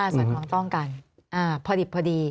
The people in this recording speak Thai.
สอดคล้องต้องกันพอดี